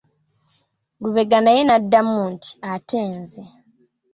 Lubega naye n'addamu nti:"ate nze"